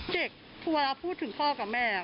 เด็กทุกเวลาพูดถึงพ่อกับแม่